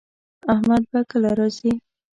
احمد به کله راځي